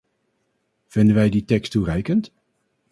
Vinden wij die tekst toereikend?